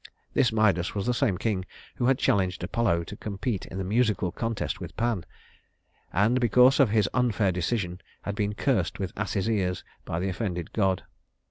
This Midas was the same king who had challenged Apollo to compete in the musical contest with Pan; and, because of his unfair decision, had been cursed with ass's ears by the offended god.